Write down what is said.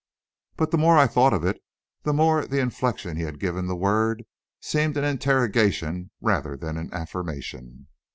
But the more I thought of it, the more the inflection he had given that word seemed an interrogation rather than an affirmation.